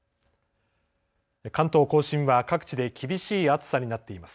関東甲信は各地で厳しい暑さになっています。